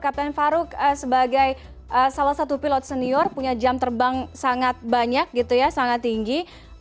kapten farouk sebagai salah satu pilot senior punya jam terbang sangat banyak gitu ya sangat tinggi